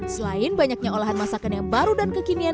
selain banyaknya olahan masakan yang baru dan kekinian